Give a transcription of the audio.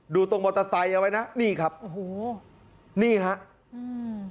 ดูตรงมอเตอร์ไซค์เอาไว้นะนี่ครับโอ้โหนี่ฮะอืม